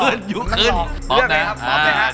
เลือกดีนะครับพบนี้ครับ